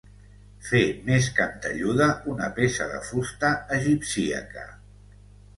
Fer més cantelluda una peça de fusta egipcíaca.